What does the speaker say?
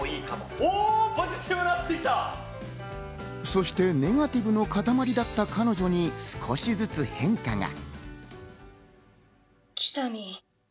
そしてネガティブのかたまりだった彼女に少しずつ変化が。